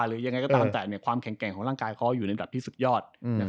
หรือยังไงก็ตะเพราะแข็งของร่างกายเขาอยู่ในขวัญสุดยอด